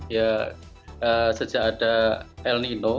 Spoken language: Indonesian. ya sejak ada el nino